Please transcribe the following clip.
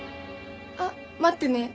あっ待ってね。